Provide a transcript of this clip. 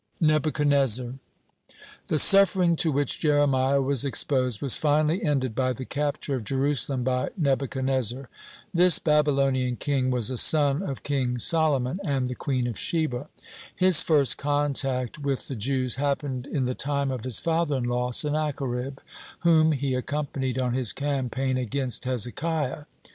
(20) NEBUCHADNEZZAR The suffering to which Jeremiah was exposed was finally ended by the capture of Jerusalem by Nebuchadnezzar. This Babylonian king was a son of King Solomon and the Queen of Sheba. (21) His first contact with the Jews happened in the time of his father in law Sennacherib, whom he accompanied on his campaign against Hezekiah.